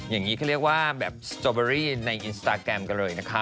อย่างนี้เขาเรียกว่าแบบสตอเบอรี่ในอินสตาแกรมกันเลยนะคะ